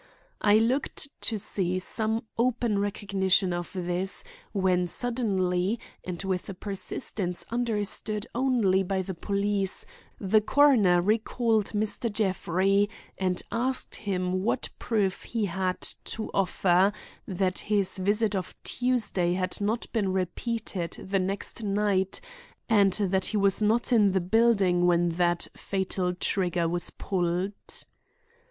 I looked to see some open recognition of this, when suddenly, and with a persistence understood only by the police, the coroner recalled Mr. Jeffrey and asked him what proof he had to offer that his visit of Tuesday had not been repeated the next night and that he was not in the building when that fatal trigger was pulled.